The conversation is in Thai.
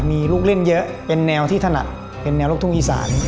มีลูกเล่นเยอะเป็นแนวที่ถนัดเป็นแนวลูกทุ่งอีสาน